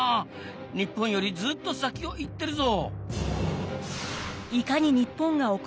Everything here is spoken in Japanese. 日本よりずっと先を行ってるぞ。